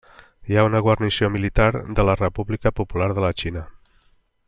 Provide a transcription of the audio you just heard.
Hi ha una guarnició militar de la República Popular de la Xina.